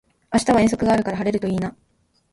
明日は遠足があるから晴れるといいな